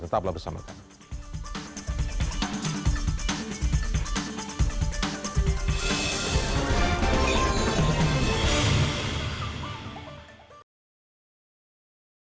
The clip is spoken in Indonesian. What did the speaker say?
tetaplah bersama kami